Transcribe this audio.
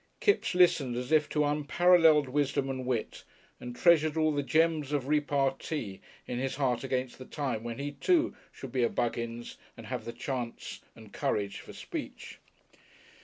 Kipps listened as if to unparalleled wisdom and wit, and treasured all the gems of repartee in his heart against the time when he, too, should be a Buggins and have the chance and courage for speech.